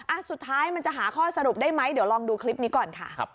สุดท้ายมันจะหาข้อสรุปได้ไหมเดี๋ยวลองดูคลิปนี้ก่อนค่ะ